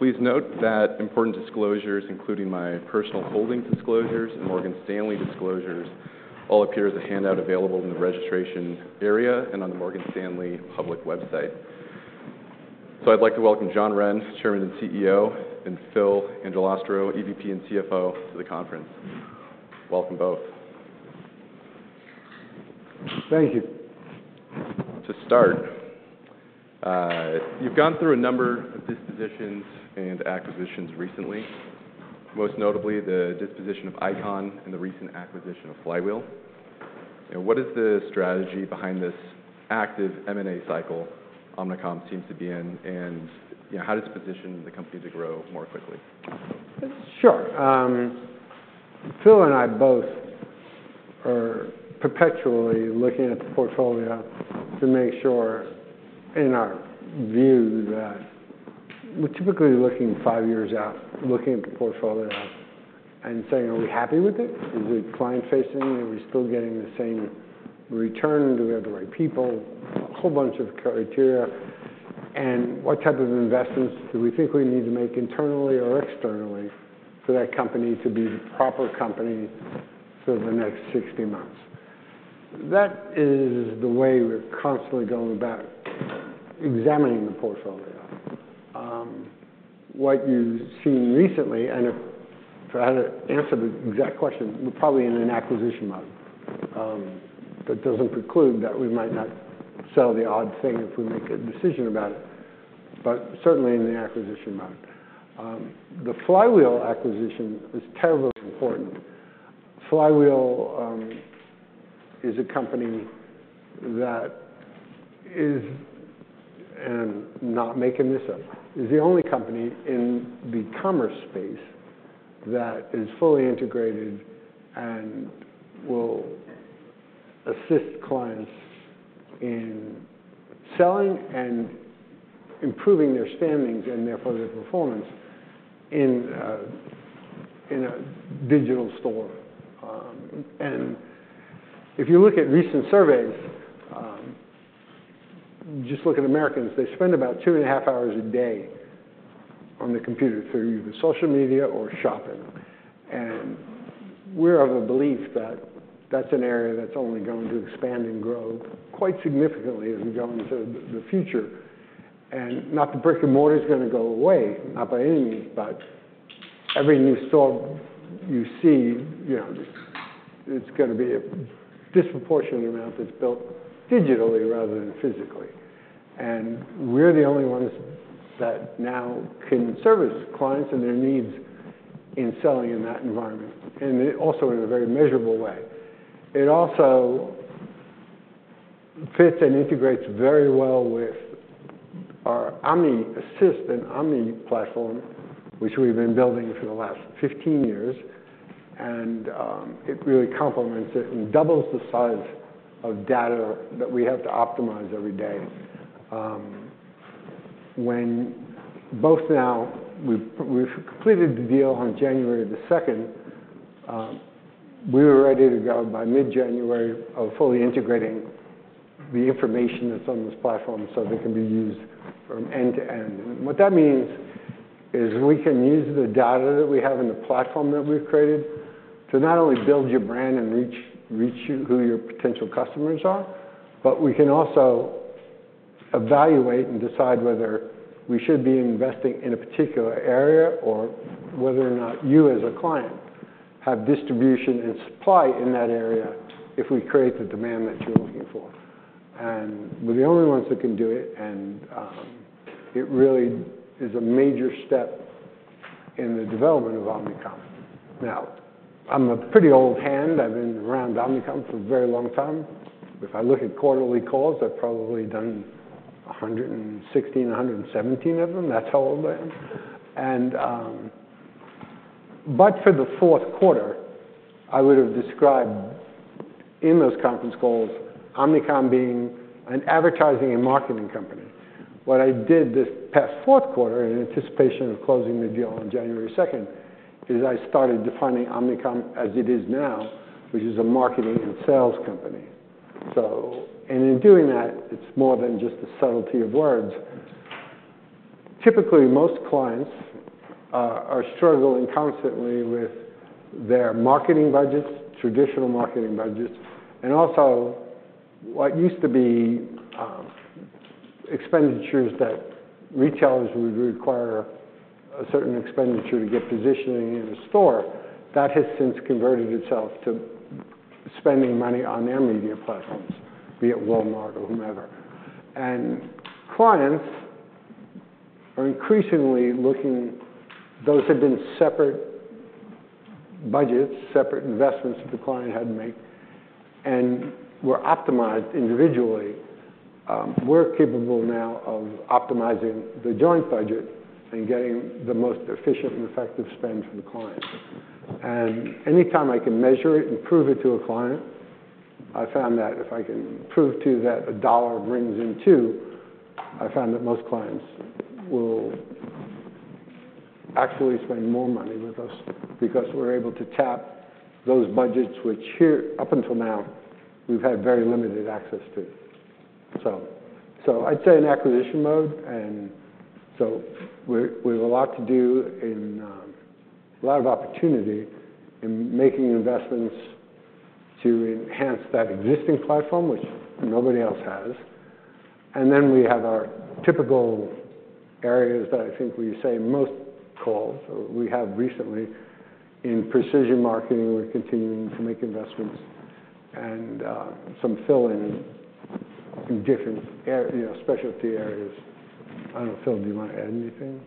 Please note that important disclosures, including my personal holdings disclosures and Morgan Stanley disclosures, all appear as a handout available in the registration area and on the Morgan Stanley public website. So I'd like to welcome John Wren, Chairman and CEO, and Phil Angelastro, EVP and CFO, to the conference. Welcome both. Thank you. To start, you've gone through a number of dispositions and acquisitions recently, most notably the disposition of Icon and the recent acquisition of Flywheel. You know, what is the strategy behind this active M&A cycle Omnicom seems to be in, and, you know, how does it position the company to grow more quickly? Sure. Phil and I both are perpetually looking at the portfolio to make sure, in our view, that we're typically looking five years out, looking at the portfolio, and saying, "Are we happy with it? Is it client-facing? Are we still getting the same return? Do we have the right people?" A whole bunch of criteria. And what type of investments do we think we need to make internally or externally for that company to be the proper company for the next 60 months? That is the way we're constantly going about examining the portfolio. What you've seen recently, and if for how to answer the exact question, we're probably in an acquisition mode. That doesn't preclude that we might not sell the odd thing if we make a decision about it, but certainly in the acquisition mode. The Flywheel acquisition is terribly important. Flywheel is a company that is—and not making this up—is the only company in the commerce space that is fully integrated and will assist clients in selling and improving their standings and therefore their performance in a digital store. And if you look at recent surveys, just look at Americans, they spend about two and a half hours a day on the computer through either social media or shopping. And we're of the belief that that's an area that's only going to expand and grow quite significantly as we go into the future. And not, the brick and mortar's going to go away, not by any means, but every new store you see, you know, it's going to be a disproportionate amount that's built digitally rather than physically. And we're the only ones that now can service clients and their needs in selling in that environment, and also in a very measurable way. It also fits and integrates very well with our Omni Assist and Omni platform, which we've been building for the last 15 years. And it really complements it and doubles the size of data that we have to optimize every day. When we've completed the deal on January the 2nd, we were ready to go by mid-January of fully integrating the information that's on this platform so they can be used from end to end. What that means is we can use the data that we have in the platform that we've created to not only build your brand and reach, reach you who your potential customers are, but we can also evaluate and decide whether we should be investing in a particular area or whether or not you as a client have distribution and supply in that area if we create the demand that you're looking for. We're the only ones that can do it. It really is a major step in the development of Omnicom. Now, I'm a pretty old hand. I've been around Omnicom for a very long time. If I look at quarterly calls, I've probably done 116, 117 of them. That's how old I am. But for the fourth quarter, I would have described in those conference calls Omnicom being an advertising and marketing company. What I did this past fourth quarter, in anticipation of closing the deal on January 2nd, is I started defining Omnicom as it is now, which is a marketing and sales company. So and in doing that, it's more than just a subtlety of words. Typically, most clients are struggling constantly with their marketing budgets, traditional marketing budgets, and also what used to be expenditures that retailers would require a certain expenditure to get positioning in a store, that has since converted itself to spending money on their media platforms, be it Walmart or whomever. And clients are increasingly looking. Those have been separate budgets, separate investments that the client had to make and were optimized individually. We're capable now of optimizing the joint budget and getting the most efficient and effective spend for the client. Anytime I can measure it and prove it to a client, I found that if I can prove to you that a dollar brings in two, I found that most clients will actually spend more money with us because we're able to tap those budgets which here, up until now, we've had very limited access to. So, so I'd say in acquisition mode, and so we're, we have a lot to do in, a lot of opportunity in making investments to enhance that existing platform, which nobody else has. And then we have our typical areas that I think we say most calls or we have recently in precision marketing, we're continuing to make investments and, some fill in, in different areas, you know, specialty areas. I don't know, Phil, do you want to add anything?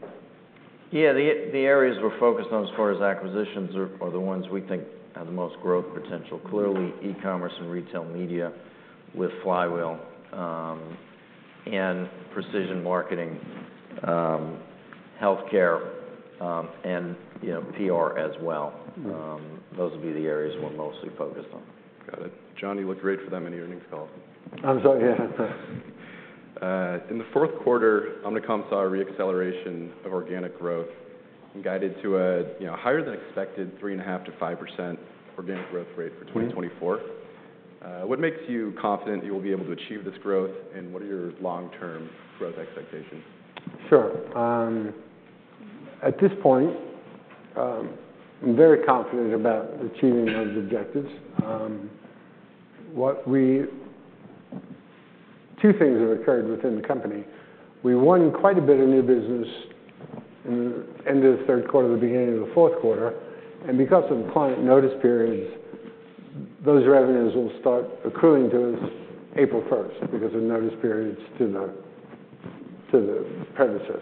Yeah, the areas we're focused on as far as acquisitions are the ones we think have the most growth potential. Clearly, e-commerce and retail media with Flywheel, and precision marketing, healthcare, and, you know, PR as well. Those will be the areas we're mostly focused on. Got it. John, you look great for them in the earnings call. I'm sorry, yeah. In the fourth quarter, Omnicom saw a reacceleration of organic growth and guided to a, you know, higher than expected 3.5%-5% organic growth rate for 2024. Mm-hmm. What makes you confident you will be able to achieve this growth, and what are your long-term growth expectations? Sure. At this point, I'm very confident about achieving those objectives. What, two things have occurred within the company. We won quite a bit of new business in the end of the third quarter, the beginning of the fourth quarter. And because of the client notice periods, those revenues will start accruing to us April 1st because of notice periods to the, to the predecessor.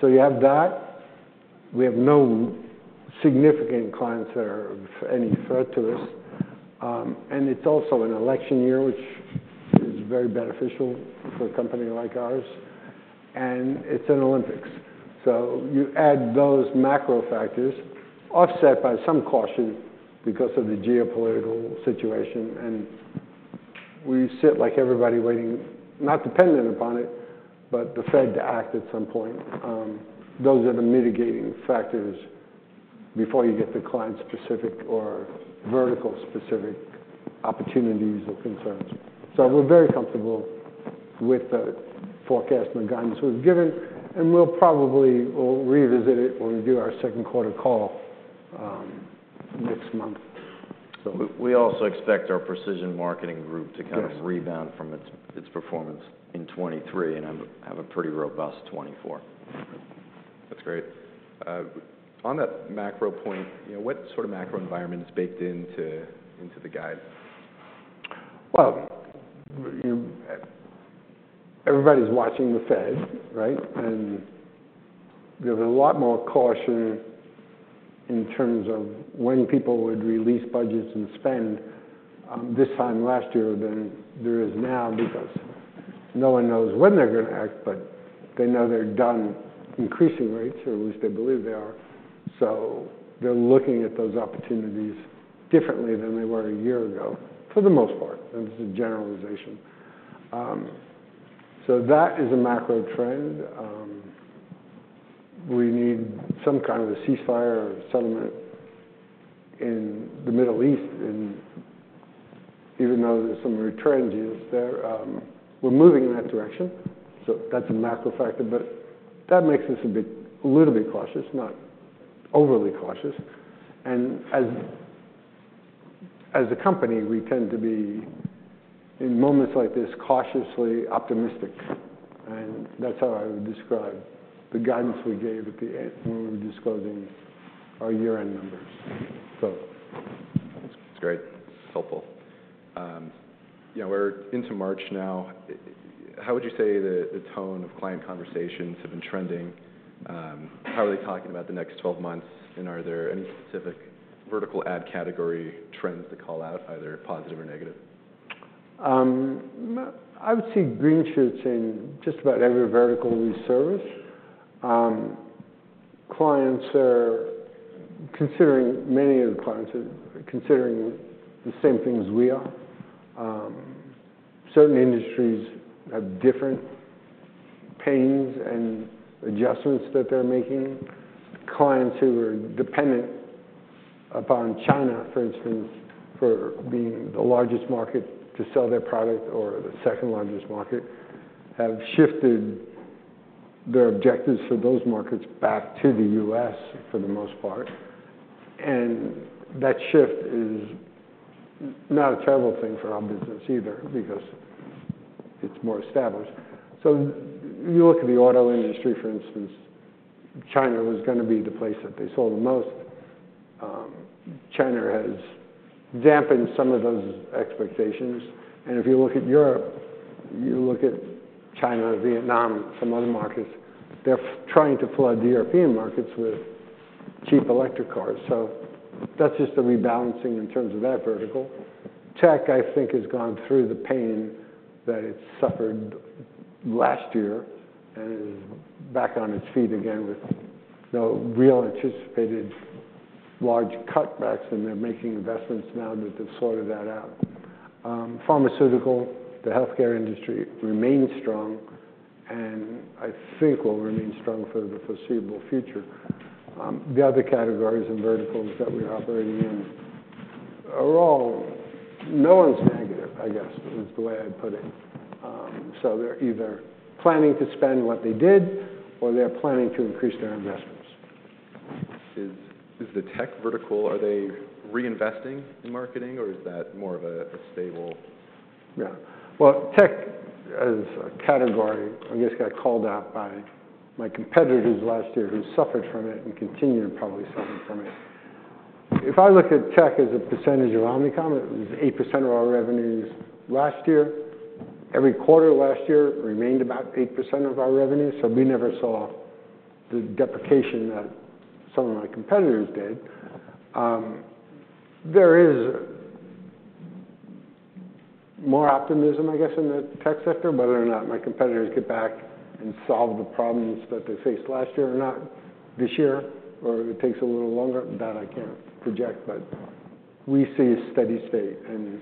So you have that. We have no significant clients that are of any threat to us. And it's also an election year, which is very beneficial for a company like ours. And it's an Olympics. So you add those macro factors, offset by some caution because of the geopolitical situation. And we sit like everybody waiting, not dependent upon it, but the Fed to act at some point. Those are the mitigating factors before you get the client-specific or vertical-specific opportunities or concerns. So we're very comfortable with the forecast and the guidance we've given. And we'll probably revisit it when we do our second quarter call, next month. So we also expect our Precision Marketing Group to kind of rebound from its performance in 2023 and have a pretty robust 2024. That's great. On that macro point, you know, what sort of macro environment is baked into the guide? Well, you know, everybody's watching the Fed, right? And there was a lot more caution in terms of when people would release budgets and spend, this time last year than there is now because no one knows when they're going to act, but they know they're done increasing rates, or at least they believe they are. So they're looking at those opportunities differently than they were a year ago, for the most part. And this is a generalization. So that is a macro trend. We need some kind of a ceasefire or settlement in the Middle East, and even though there's some returns there, we're moving in that direction. So that's a macro factor. But that makes us a bit a little bit cautious, not overly cautious. And as, as a company, we tend to be, in moments like this, cautiously optimistic. That's how I would describe the guidance we gave at the end when we were disclosing our year-end numbers. So. That's, that's great. It's helpful. You know, we're into March now. How would you say the tone of client conversations have been trending? How are they talking about the next 12 months? And are there any specific vertical ad category trends to call out, either positive or negative? I would see green shirts in just about every vertical we service. Clients are considering many of the clients are considering the same things we are. Certain industries have different pains and adjustments that they're making. Clients who are dependent upon China, for instance, for being the largest market to sell their product or the second largest market, have shifted their objectives for those markets back to the U.S. for the most part. That shift is not a terrible thing for our business either because it's more established. You look at the auto industry, for instance. China was going to be the place that they sold the most. China has dampened some of those expectations. If you look at Europe, you look at China, Vietnam, some other markets, they're trying to flood the European markets with cheap electric cars. So that's just a rebalancing in terms of that vertical. Tech, I think, has gone through the pain that it suffered last year and is back on its feet again with no real anticipated large cutbacks. And they're making investments now that they've sorted that out. Pharmaceutical, the healthcare industry remains strong and I think will remain strong for the foreseeable future. The other categories and verticals that we're operating in are all no one's negative, I guess, is the way I'd put it. So they're either planning to spend what they did or they're planning to increase their investments. Is the tech vertical, are they reinvesting in marketing, or is that more of a stable? Yeah. Well, tech as a category, I guess, got called out by my competitors last year who suffered from it and continue to probably suffer from it. If I look at tech as a percentage of Omnicom, it was 8% of our revenues last year. Every quarter last year remained about 8% of our revenues. So we never saw the deprecation that some of my competitors did. There is more optimism, I guess, in the tech sector, whether or not my competitors get back and solve the problems that they faced last year or not this year or it takes a little longer. That I can't project. But we see a steady state. And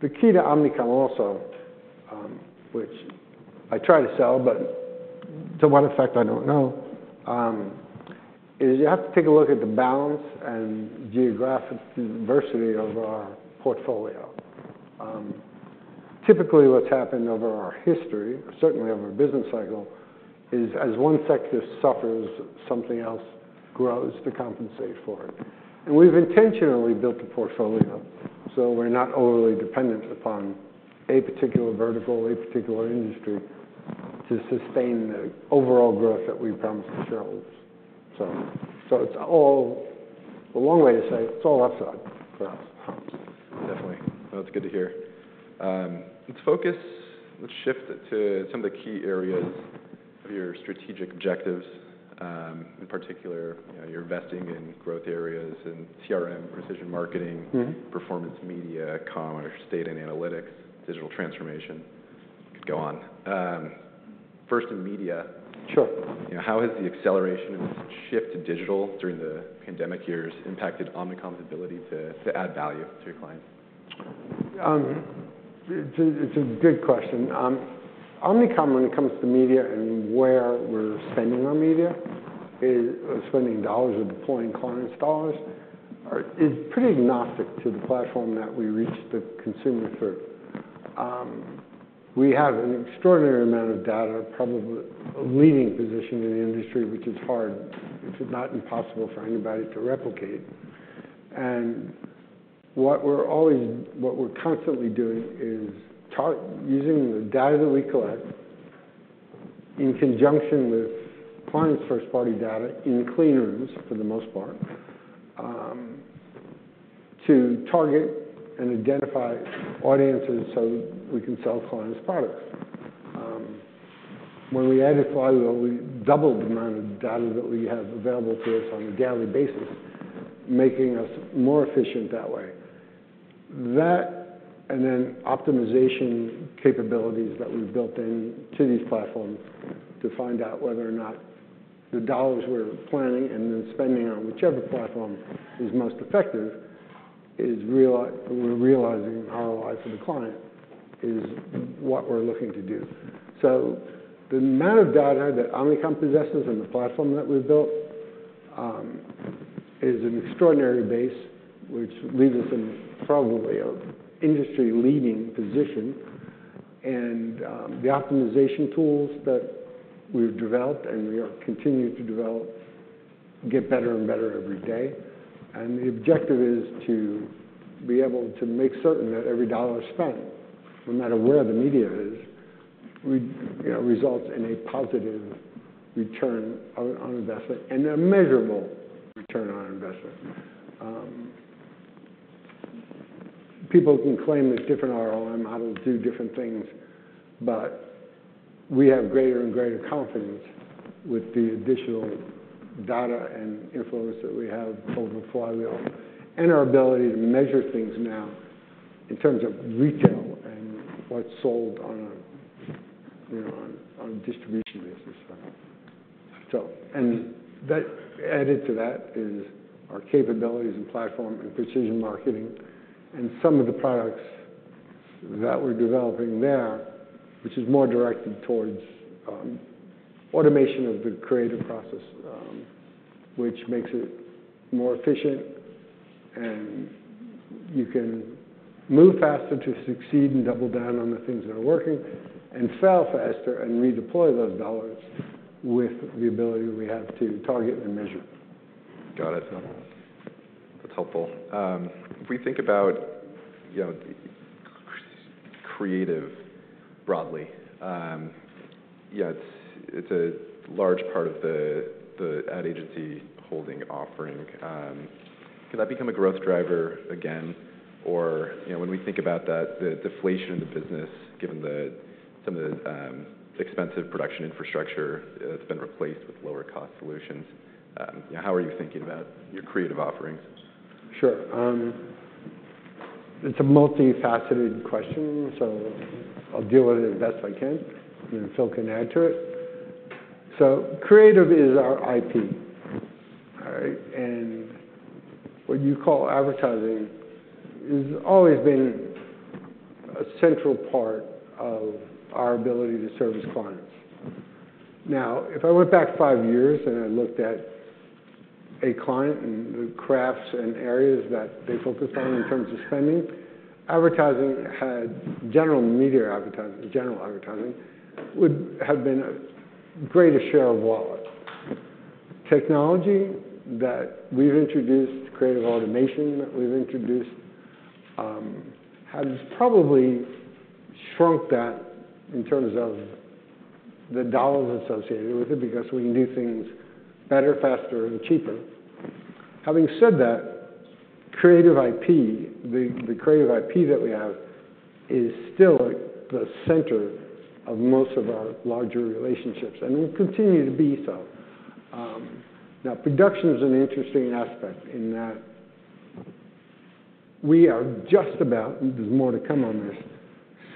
the key to Omnicom also, which I try to sell, but to what effect I don't know, is you have to take a look at the balance and geographic diversity of our portfolio. Typically what's happened over our history, certainly over a business cycle, is as one sector suffers, something else grows to compensate for it. And we've intentionally built a portfolio so we're not overly dependent upon a particular vertical, a particular industry to sustain the overall growth that we promised to show. So, so it's all a long way to say it's all upside for us. Definitely. Well, that's good to hear. Let's focus. Let's shift to some of the key areas of your strategic objectives. In particular, you know, you're investing in growth areas in CRM, precision marketing, performance media, commerce, data and analytics, digital transformation. Could go on. First in media. Sure. You know, how has the acceleration and shift to digital during the pandemic years impacted Omnicom's ability to add value to your clients? It's a good question. Omnicom, when it comes to media and where we're spending our media dollars or deploying clients' dollars, is pretty agnostic to the platform that we reach the consumer through. We have an extraordinary amount of data, probably a leading position in the industry, which is hard, if not impossible, for anybody to replicate. And what we're constantly doing is targeting using the data that we collect in conjunction with clients' first-party data in clean rooms, for the most part, to target and identify audiences so we can sell clients' products. When we added Flywheel, we doubled the amount of data that we have available to us on a daily basis, making us more efficient that way. That and then optimization capabilities that we've built into these platforms to find out whether or not the dollars we're planning and then spending on whichever platform is most effective is realizing we're realizing ROI for the client is what we're looking to do. So the amount of data that Omnicom possesses and the platform that we've built, is an extraordinary base, which leaves us in probably an industry-leading position. The optimization tools that we've developed and we continue to develop get better and better every day. The objective is to be able to make certain that every dollar spent, no matter where the media is, we, you know, results in a positive return on investment and a measurable return on investment. People can claim that different ROI models do different things, but we have greater and greater confidence with the additional data and influence that we have over Flywheel and our ability to measure things now in terms of retail and what's sold on a, you know, on a distribution basis. So, and that added to that is our capabilities and platform and precision marketing and some of the products that we're developing there, which is more directed towards automation of the creative process, which makes it more efficient. And you can move faster to succeed and double down on the things that are working and sell faster and redeploy those dollars with the ability we have to target and measure. Got it. Well, that's helpful. If we think about, you know, creative broadly, you know, it's a large part of the ad agency holding offering. Could that become a growth driver again? Or, you know, when we think about that, the deflation in the business, given some of the expensive production infrastructure that's been replaced with lower-cost solutions, you know, how are you thinking about your creative offerings? Sure. It's a multifaceted question. So I'll deal with it as best I can, and then Phil can add to it. So creative is our IP, all right? And what you call advertising has always been a central part of our ability to service clients. Now, if I went back five years and I looked at a client and the crafts and areas that they focused on in terms of spending, advertising had general media advertising, general advertising would have been a greater share of wallet. Technology that we've introduced, creative automation that we've introduced, has probably shrunk that in terms of the dollars associated with it because we can do things better, faster, and cheaper. Having said that, creative IP, the, the creative IP that we have is still at the center of most of our larger relationships and will continue to be so. Now, production is an interesting aspect in that we are just about, and there's more to come on this,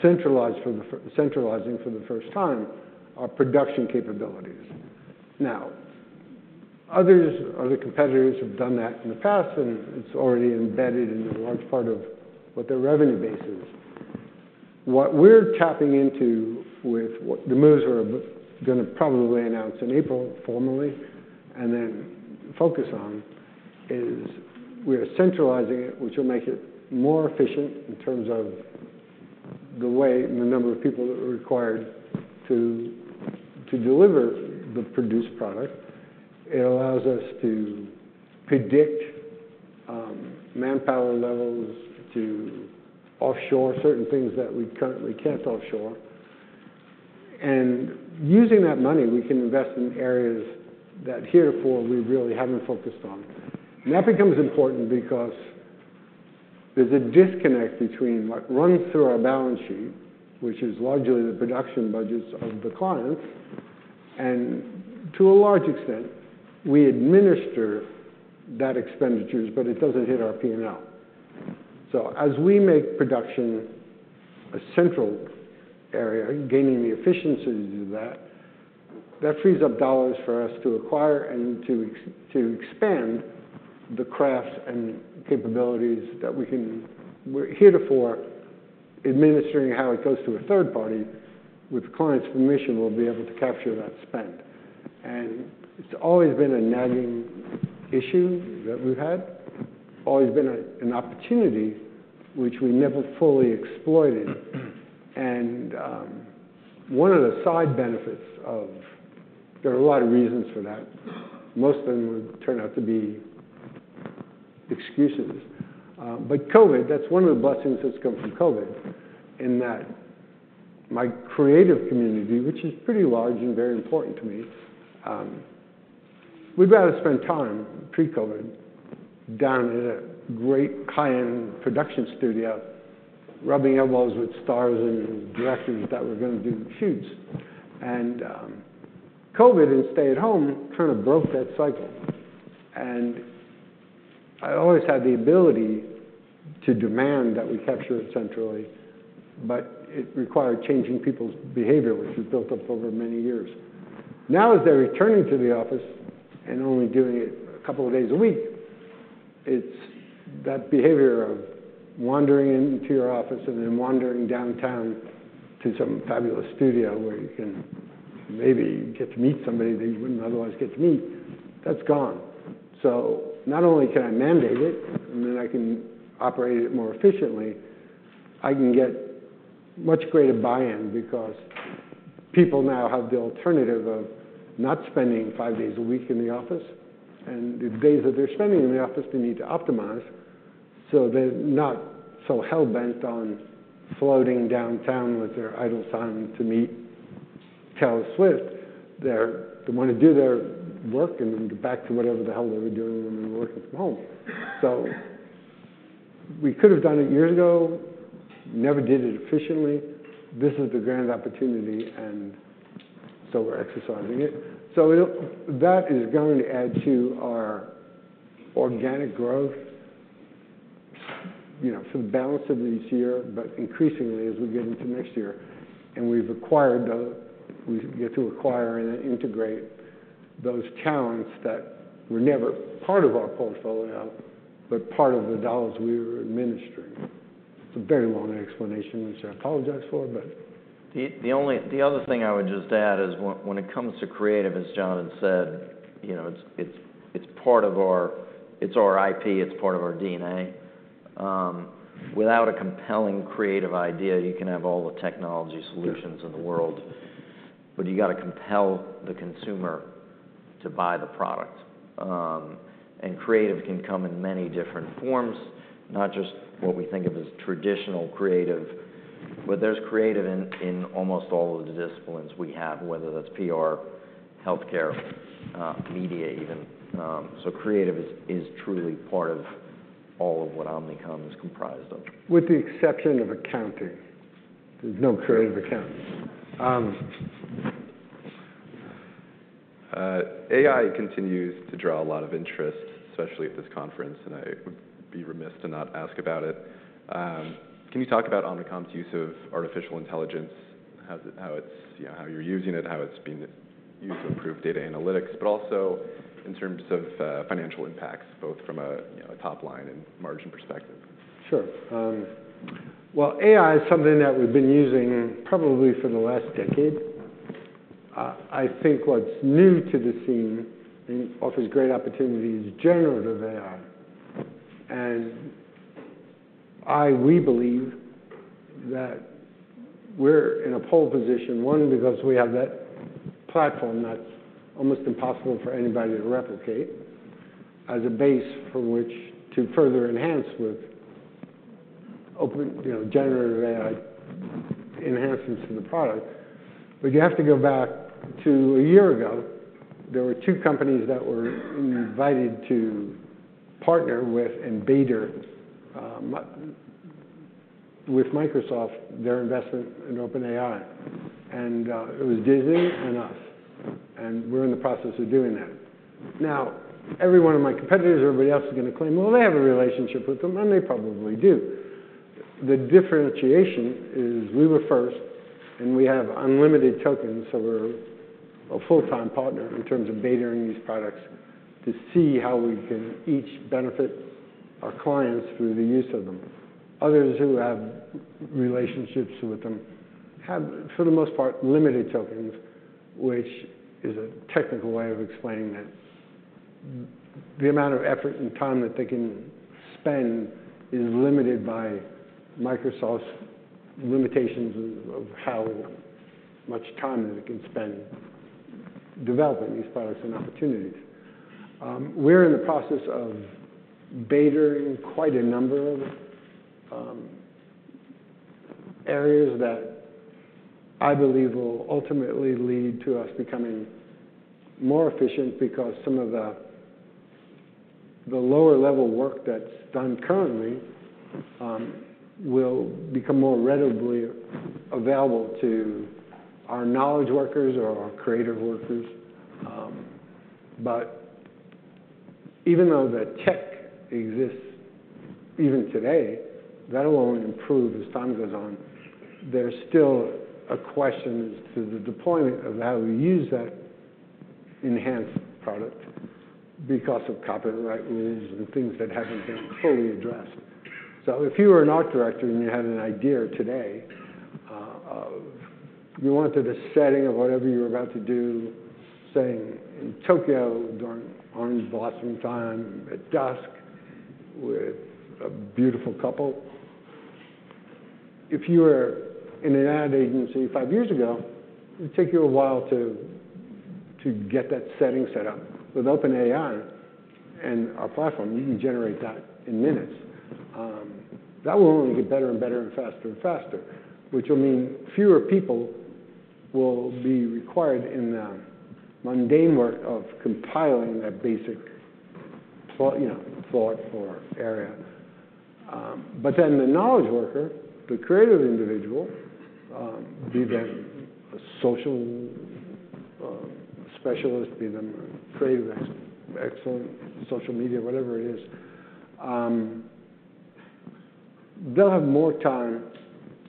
centralizing for the first time our production capabilities. Now, other competitors have done that in the past, and it's already embedded in a large part of what their revenue base is. What we're tapping into with what the moves we're going to probably announce in April formally and then focus on is we are centralizing it, which will make it more efficient in terms of the way and the number of people that are required to deliver the produced product. It allows us to predict manpower levels to offshore certain things that we currently can't offshore. Using that money, we can invest in areas that heretofore we really haven't focused on. And that becomes important because there's a disconnect between what runs through our balance sheet, which is largely the production budgets of the clients, and to a large extent, we administer that expenditure, but it doesn't hit our P&L. So as we make production a central area, gaining the efficiencies of that, that frees up dollars for us to acquire and to, to expand the crafts and capabilities that we can. We're heretofore administering how it goes to a third party. With the client's permission, we'll be able to capture that spend. And it's always been a nagging issue that we've had, always been an opportunity, which we never fully exploited. And one of the side benefits of there are a lot of reasons for that. Most of them turn out to be excuses. COVID, that's one of the blessings that's come from COVID in that my creative community, which is pretty large and very important to me, we'd rather spend time pre-COVID down in a great high-end production studio, rubbing elbows with stars and directors that were going to do shoots. COVID and stay-at-home kind of broke that cycle. I always had the ability to demand that we capture it centrally, but it required changing people's behavior, which has built up over many years. Now, as they're returning to the office and only doing it a couple of days a week, it's that behavior of wandering into your office and then wandering downtown to some fabulous studio where you can maybe get to meet somebody that you wouldn't otherwise get to meet. That's gone. So not only can I mandate it and then I can operate it more efficiently. I can get much greater buy-in because people now have the alternative of not spending five days a week in the office. And the days that they're spending in the office, they need to optimize so they're not so hell-bent on floating downtown with their idle time to meet Taylor Swift. They want to do their work and get back to whatever the hell they were doing when they were working from home. So we could have done it years ago. Never did it efficiently. This is the grand opportunity. And so we're exercising it. So, it'll, that is, going to add to our organic growth, you know, for the balance of this year, but increasingly as we get into next year. And we've acquired the way we get to acquire and then integrate those talents that were never part of our portfolio, but part of the dollars we were administering. It's a very long explanation, which I apologize for, but. The only other thing I would just add is when it comes to creative, as Jonathan said, you know, it's part of our IP. It's part of our DNA. Without a compelling creative idea, you can have all the technology solutions in the world, but you've got to compel the consumer to buy the product. And creative can come in many different forms, not just what we think of as traditional creative, but there's creative in almost all of the disciplines we have, whether that's PR, healthcare, media even. So creative is truly part of all of what Omnicom is comprised of. With the exception of accounting. There's no creative accounting. AI continues to draw a lot of interest, especially at this conference, and I would be remiss to not ask about it. Can you talk about Omnicom's use of artificial intelligence? How it's, you know, how you're using it, how it's being used to improve data analytics, but also in terms of financial impacts, both from a, you know, a top line and margin perspective? Sure. Well, AI is something that we've been using probably for the last decade. I think what's new to the scene and offers great opportunity is generative AI. And I, we believe that we're in a pole position, one, because we have that platform that's almost impossible for anybody to replicate as a base from which to further enhance with open, you know, generative AI enhancements to the product. But you have to go back to a year ago. There were two companies that were invited to partner with and beta, with Microsoft, their investment in OpenAI. And, it was Disney and us. And we're in the process of doing that. Now, every one of my competitors, everybody else is going to claim, well, they have a relationship with them, and they probably do. The differentiation is we were first and we have unlimited tokens. So we're a full-time partner in terms of betaing these products to see how we can each benefit our clients through the use of them. Others who have relationships with them have, for the most part, limited tokens, which is a technical way of explaining that the amount of effort and time that they can spend is limited by Microsoft's limitations of how much time that it can spend developing these products and opportunities. We're in the process of betaing quite a number of areas that I believe will ultimately lead to us becoming more efficient because some of the lower-level work that's done currently will become more readily available to our knowledge workers or our creative workers. But even though the tech exists even today, that'll only improve as time goes on. There's still a question as to the deployment of how we use that enhanced product because of copyright rules and things that haven't been fully addressed. So if you were an art director and you had an idea today, if you wanted a setting of whatever you were about to do, say, in Tokyo during autumn blossom time at dusk with a beautiful couple. If you were in an ad agency five years ago, it would take you a while to get that setting set up. With OpenAI and our platform, you can generate that in minutes. That will only get better and better and faster and faster, which will mean fewer people will be required in the mundane work of compiling that basic, you know, thought or area. But then the knowledge worker, the creative individual, be them a social specialist, be them a creative excellent social media, whatever it is, they'll have more time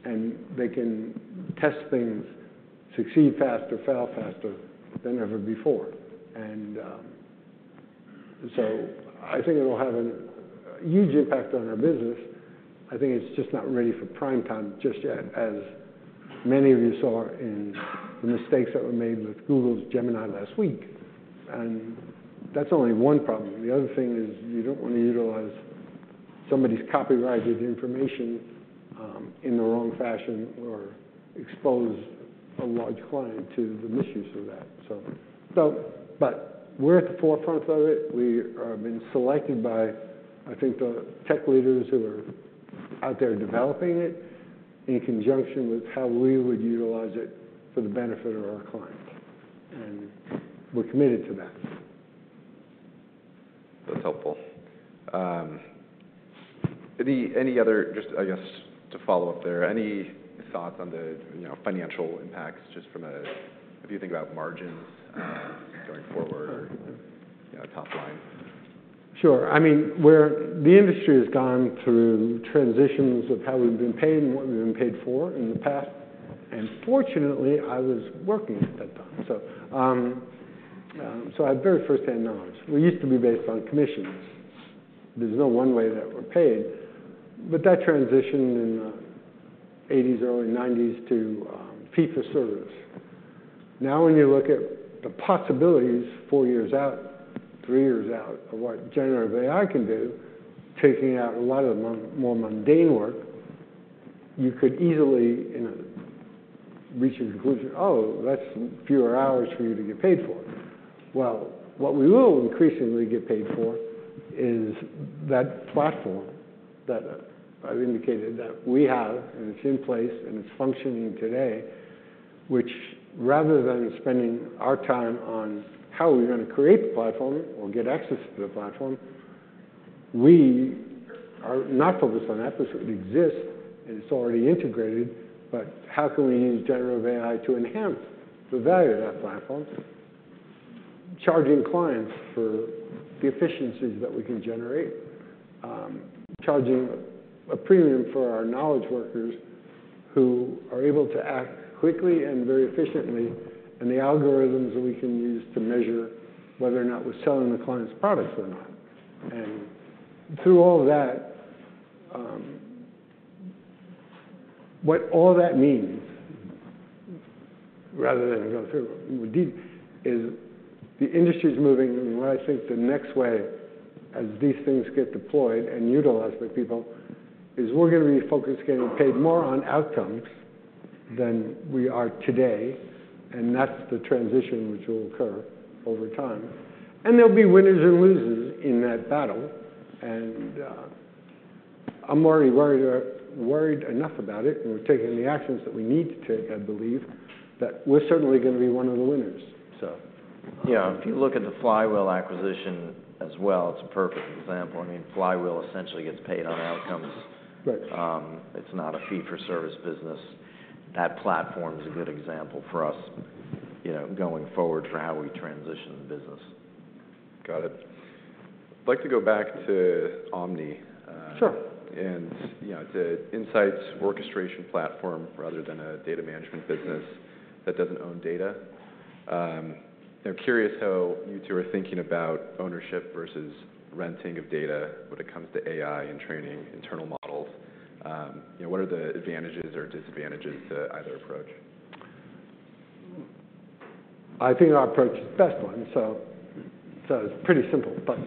and they can test things, succeed faster, fail faster than ever before. And so I think it'll have a huge impact on our business. I think it's just not ready for prime time just yet, as many of you saw in the mistakes that were made with Google's Gemini last week. And that's only one problem. The other thing is you don't want to utilize somebody's copyrighted information in the wrong fashion or expose a large client to the misuse of that. So, but we're at the forefront of it. We have been selected by, I think, the tech leaders who are out there developing it in conjunction with how we would utilize it for the benefit of our clients. We're committed to that. That's helpful. Any other just, I guess, to follow up there, any thoughts on the, you know, financial impacts just from a if you think about margins, going forward or, you know, top line? Sure. I mean, we are. The industry has gone through transitions of how we've been paid and what we've been paid for in the past. And fortunately, I was working at that time. So I have very firsthand knowledge. We used to be based on commissions. There's no one way that we're paid. But that transition in the 1980s, early 1990s to fee-for-service. Now, when you look at the possibilities four years out, three years out of what generative AI can do, taking out a lot of the more mundane work, you could easily reach a conclusion. Oh, that's fewer hours for you to get paid for. Well, what we will increasingly get paid for is that platform that I've indicated that we have, and it's in place and it's functioning today, which rather than spending our time on how we're going to create the platform or get access to the platform, we are not focused on that because it exists and it's already integrated. But how can we use Generative AI to enhance the value of that platform? Charging clients for the efficiencies that we can generate. Charging a premium for our knowledge workers who are able to act quickly and very efficiently and the algorithms that we can use to measure whether or not we're selling the client's products or not. And through all of that, what all that means, rather than go through deep, is the industry is moving. What I think the next way, as these things get deployed and utilized by people, is we're going to be focused getting paid more on outcomes than we are today. That's the transition, which will occur over time. There'll be winners and losers in that battle. I'm already worried, worried enough about it. We're taking the actions that we need to take, I believe, that we're certainly going to be one of the winners. So. Yeah. If you look at the Flywheel acquisition as well, it's a perfect example. I mean, Flywheel essentially gets paid on outcomes. It's not a fee-for-service business. That platform is a good example for us, you know, going forward for how we transition the business. Got it. I'd like to go back to Omni. Sure. You know, it's an insights orchestration platform rather than a data management business that doesn't own data. You know, curious how you two are thinking about ownership versus renting of data when it comes to AI and training, internal models? You know, what are the advantages or disadvantages to either approach? I think our approach is the best one. So, so it's pretty simple. But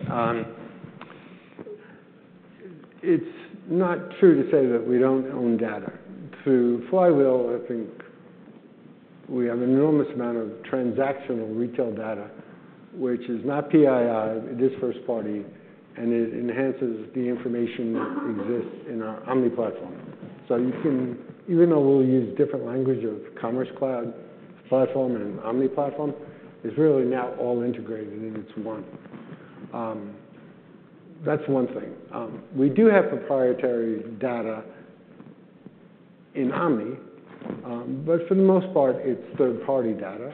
it's not true to say that we don't own data. Through Flywheel, I think we have an enormous amount of transactional retail data, which is not PII. It is first-party. And it enhances the information that exists in our Omni platform. So you can even though we'll use different language of Commerce Cloud platform and Omni platform, it's really now all integrated in its one. That's one thing. We do have proprietary data in Omni. But for the most part, it's third-party data.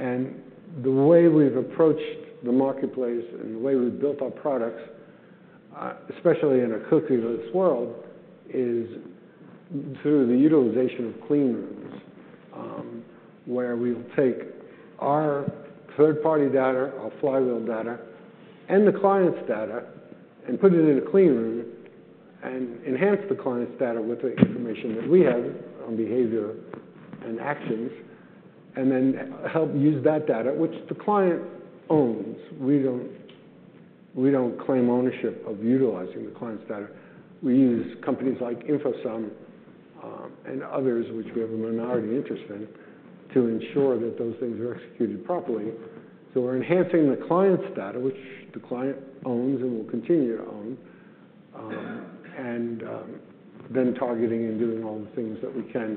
And the way we've approached the marketplace and the way we've built our products, especially in a cookieless world, is through the utilization of clean rooms, where we'll take our third-party data, our Flywheel data, and the client's data and put it in a clean room and enhance the client's data with the information that we have on behavior and actions and then help use that data, which the client owns. We don't we don't claim ownership of utilizing the client's data. We use companies like InfoSum, and others, which we have a minority interest in, to ensure that those things are executed properly. So we're enhancing the client's data, which the client owns and will continue to own, and, then targeting and doing all the things that we can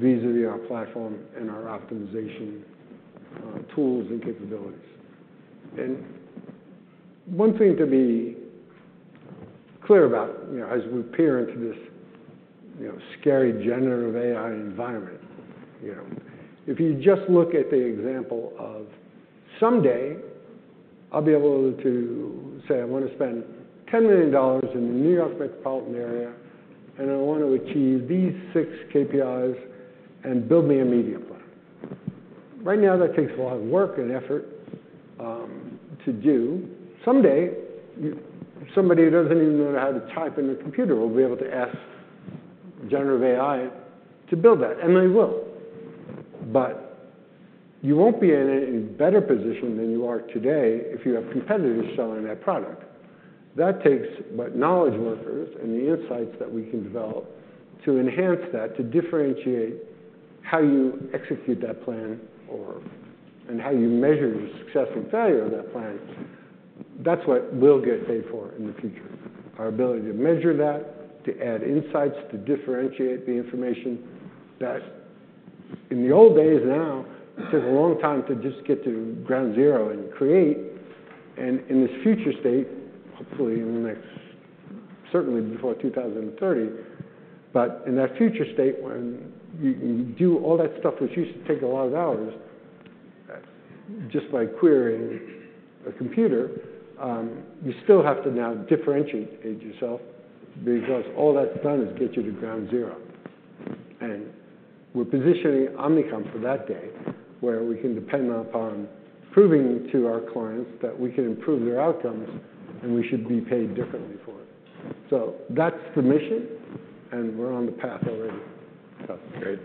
vis-à-vis our platform and our optimization, tools and capabilities. One thing to be clear about, you know, as we peer into this, you know, scary generative AI environment, you know, if you just look at the example of someday, I'll be able to say, I want to spend $10 million in the New York metropolitan area and I want to achieve these six KPIs and build me a media plan. Right now, that takes a lot of work and effort, to do. Someday, somebody who doesn't even know how to type in a computer will be able to ask generative AI to build that. And they will. But you won't be in any better position than you are today if you have competitors selling that product. That takes but knowledge workers and the insights that we can develop to enhance that, to differentiate how you execute that plan or and how you measure your success and failure of that plan. That's what we'll get paid for in the future. Our ability to measure that, to add insights, to differentiate the information that in the old days now, it took a long time to just get to ground zero and create. In this future state, hopefully in the next certainly before 2030, but in that future state when you can do all that stuff which used to take a lot of hours, just by querying a computer, you still have to now differentiate yourself because all that's done is get you to ground zero. And we're positioning Omnicom for that day where we can depend upon proving to our clients that we can improve their outcomes and we should be paid differently for it. So that's the mission. And we're on the path already. That's great.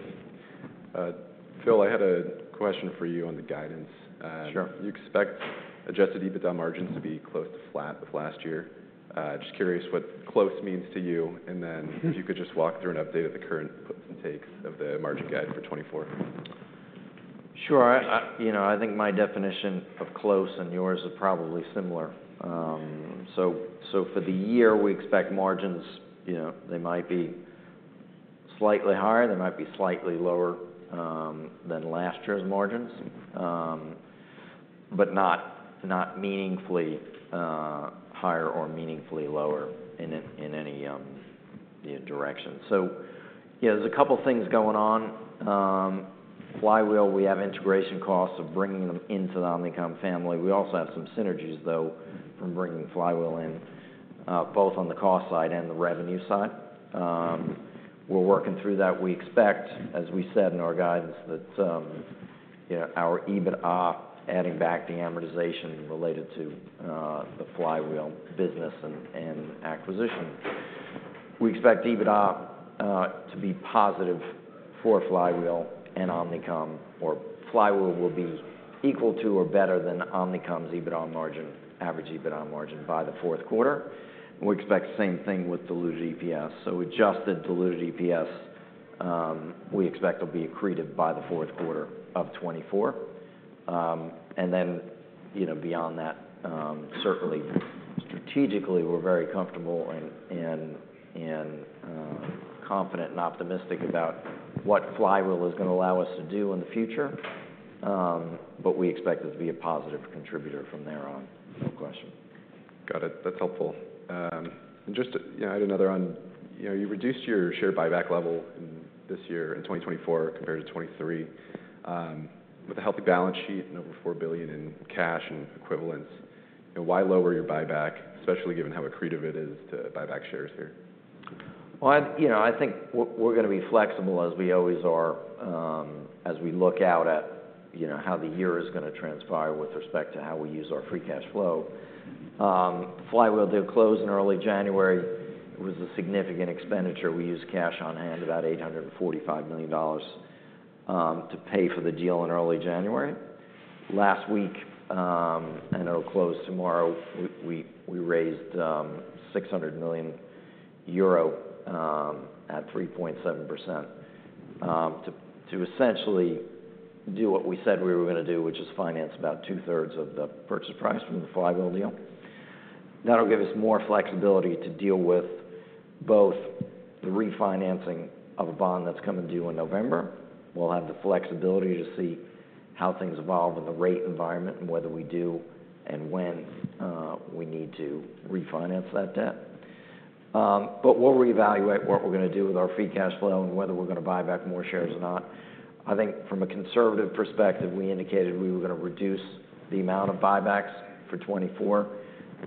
Phil, I had a question for you on the guidance. Sure. You expect adjusted EBITDA margins to be close to flat with last year. Just curious what close means to you. And then if you could just walk through an update of the current puts and takes of the margin guide for 2024. Sure. I, you know, I think my definition of close and yours are probably similar. So, so for the year, we expect margins, you know, they might be slightly higher. They might be slightly lower than last year's margins, but not, not meaningfully higher or meaningfully lower in any, you know, direction. So, you know, there's a couple of things going on. Flywheel, we have integration costs of bringing them into the Omnicom family. We also have some synergies, though, from bringing Flywheel in, both on the cost side and the revenue side. We're working through that. We expect, as we said in our guidance, that, you know, our EBITDA, adding back the amortization related to the Flywheel business and acquisition. We expect EBITDA to be positive for Flywheel and Omnicom, or Flywheel will be equal to or better than Omnicom's average EBITDA margin by the fourth quarter. We expect the same thing with diluted EPS. So adjusted diluted EPS, we expect will be accretive by the fourth quarter of 2024. And then, you know, beyond that, certainly strategically, we're very comfortable and confident and optimistic about what Flywheel is going to allow us to do in the future. But we expect it to be a positive contributor from there on. No question. Got it. That's helpful. Just to, you know, add another on, you know, you reduced your share buyback level in this year, in 2024, compared to 2023, with a healthy balance sheet and over $4 billion in cash and equivalents. You know, why lower your buyback, especially given how accretive it is to buyback shares here? Well, you know, I think we're going to be flexible as we always are, as we look out at, you know, how the year is going to transpire with respect to how we use our free cash flow. Flywheel did close in early January. It was a significant expenditure. We used cash on hand, about $845 million, to pay for the deal in early January. Last week, and it'll close tomorrow, we raised 600 million euro at 3.7% to essentially do what we said we were going to do, which is finance about two-thirds of the purchase price from the Flywheel deal. That'll give us more flexibility to deal with both the refinancing of a bond that's coming due in November. We'll have the flexibility to see how things evolve in the rate environment and whether we do and when we need to refinance that debt. We'll reevaluate what we're going to do with our free cash flow and whether we're going to buy back more shares or not. I think from a conservative perspective, we indicated we were going to reduce the amount of buybacks for 2024.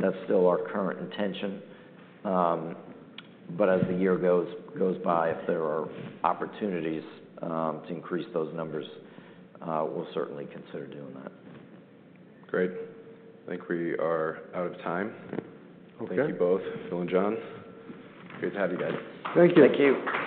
That's still our current intention. As the year goes by, if there are opportunities to increase those numbers, we'll certainly consider doing that. Great. I think we are out of time. Okay. Thank you both, Phil and John. Great to have you guys. Thank you. Thank you.